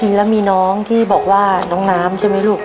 จริงแล้วมีน้องที่บอกว่าน้องน้ำใช่ไหมลูก